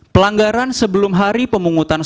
pelanggaran sebelum hari pemohon jawabannya